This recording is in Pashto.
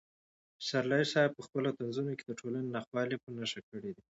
پسرلي صاحب په خپلو طنزونو کې د ټولنې ناخوالې په نښه کړې دي.